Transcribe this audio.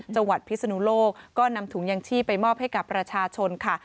พิศนุโลกก็นำถุงยังชีพไปมอบให้กับประชาชนค่ะ